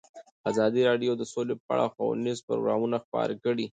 ازادي راډیو د سوله په اړه ښوونیز پروګرامونه خپاره کړي.